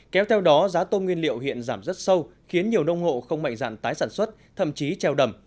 kéo theo đó giá tôm nguyên liệu hiện giảm rất sâu khiến nhiều nông hộ không mạnh dạn tái sản xuất thậm chí treo đầm